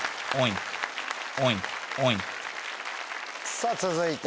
さぁ続いて。